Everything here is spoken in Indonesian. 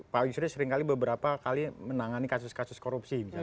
pak hugh shrill seringkali beberapa kali menangani kasus kasus korupsi